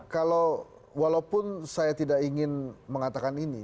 kalau walaupun saya tidak ingin mengatakan ini